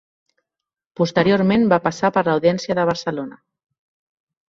Posteriorment va passar per l'Audiència de Barcelona.